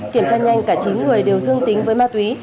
kiểm tra nhanh cả chín người đều dương tính với ma túy